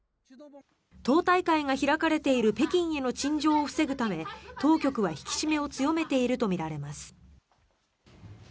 党大会が開かれている北京への陳情を防ぐため当局は引き締めを強めているとみられます。